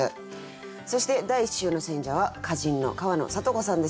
そして第１週の選者は歌人の川野里子さんです。